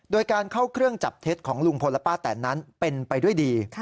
โดยการเข้าเครื่องจับเท็จของลุงพลและป้าแตนนั้นเป็นไปด้วยดี